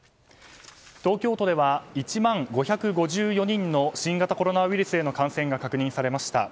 東京都では１万５５４人の新型コロナウイルスへの感染が確認されました。